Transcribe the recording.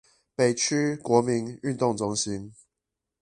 北區國民運動中心